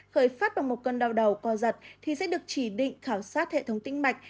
khởi phát bằng một cơn đau đầu co giật thì sẽ được chỉ định khảo sát hệ thống tĩnh mạch